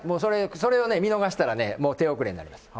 それを見逃がしたらね、手遅れになります。